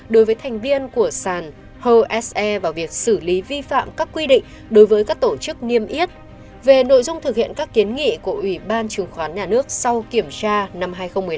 đối với thành viên của sàn hose và việc xử lý vi phạm các quy định đối với các tổ chức niêm yết về nội dung thực hiện các kiến nghị của ủy ban chứng khoán nhà nước sau kiểm tra năm hai nghìn một mươi năm